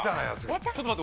ちょっと待って。